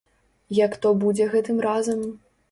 Як то будзе гэтым разам?